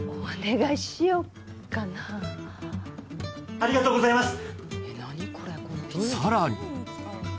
ありがとうございます！